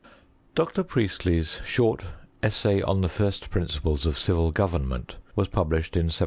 Dr. Priestley's short Essay on the First Principles of Civil Government was published in 1768.